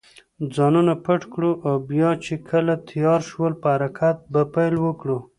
ځانونه پټ کړو او بیا چې کله تېاره شول، په حرکت به پیل وکړو.